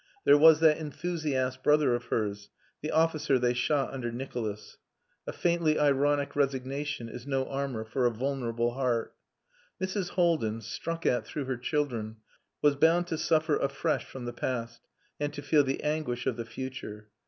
There was that enthusiast brother of hers the officer they shot under Nicholas. A faintly ironic resignation is no armour for a vulnerable heart. Mrs. Haldin, struck at through her children, was bound to suffer afresh from the past, and to feel the anguish of the future.